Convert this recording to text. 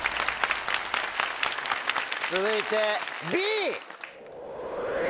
続いてＢ！